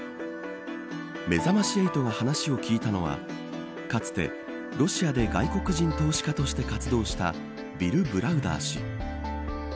めざまし８が話を聞いたのはかつて、ロシアで外国人投資家として活動したビル・ブラウダー氏。